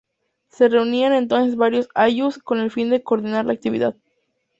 Se reunían entonces varios "ayllus" con el fin de coordinar la actividad.